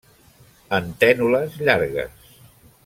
Antènules llargues.